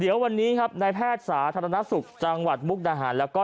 เดี๋ยววันนี้ครับนายแพทย์สาธารณสุขจังหวัดมุกดาหารแล้วก็